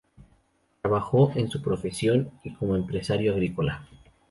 Trabajó en su profesión y como empresario agrícola.